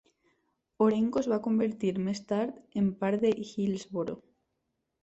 Orenco es va convertir més tard en part de Hillsboro.